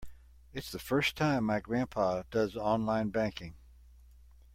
It's the first time my grandpa does online banking.